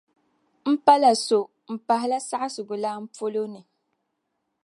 M-pala so m-pahila saɣisigu lana polo ni.